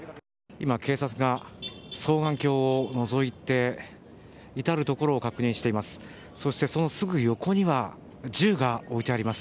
今、警察が双眼鏡をのぞいて至るところを確認しています。